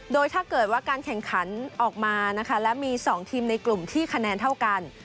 โดยถ้าเกิดว่าการแข่งขันออกมานะคะและมี๒ทีมในกลุ่มที่คะแนนเท่ากัน